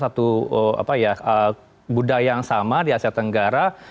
satu budaya yang sama di asia tenggara